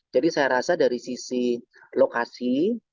jadi saya rasa dari sisi lokasi